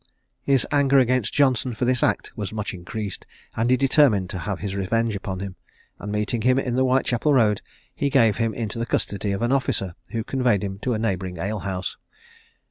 His anger against Johnson for this act was much increased, and he determined to have his revenge upon him; and meeting him in the Whitechapel road, he gave him into the custody of an officer, who conveyed him to a neighbouring ale house.